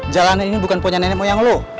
jalanan ini bukan punya nenek moyang loh